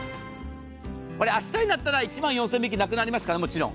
これ、明日になったら１万４０００円引き、なくなりますから、もちろん。